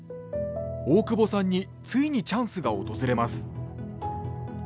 大久保さんについにチャンスが訪れます。